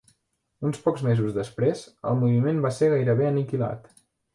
Uns pocs mesos després, el moviment va ser gairebé aniquilat.